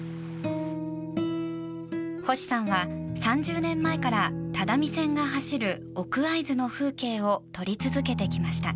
星さんは、３０年前から只見線が走る奥会津の風景を撮り続けてきました。